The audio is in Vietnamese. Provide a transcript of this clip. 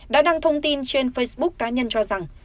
đã đăng thông tin trên facebook cá nhân cho rằng